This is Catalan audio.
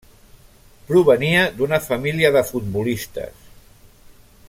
Provenia d'una família de futbolistes.